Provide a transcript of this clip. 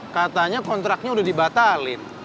katanya kontraknya udah dibatalin